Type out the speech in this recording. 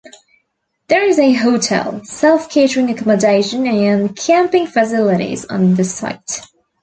There is a hotel, self-catering accommodation and camping facilities on the site.